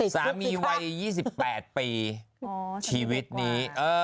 สามีวัย๒๘ปีชีวิตนี้